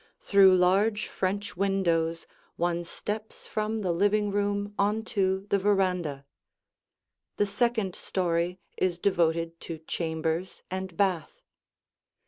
Through large French windows one steps from the living room on to the veranda. The second story is devoted to chambers and bath.